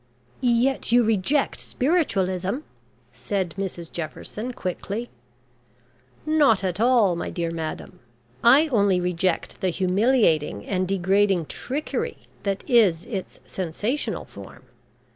"Yet you reject spiritualism," said Mrs Jefferson quickly. "Not at all, my dear madam. I only reject the humiliating and degrading trickery that is its sensational form.